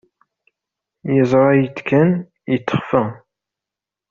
Yeẓra-yi-d kan, yettexfa.